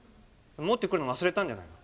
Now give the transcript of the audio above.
持ってくるの忘れたんじゃないの？